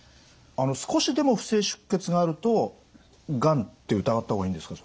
少しでも不正出血があるとがんって疑った方がいいんですか？